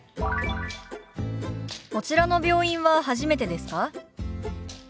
「こちらの病院は初めてですか？」。